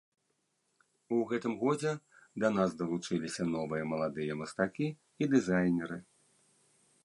У гэтым годзе да нас далучыліся новыя маладыя мастакі і дызайнеры.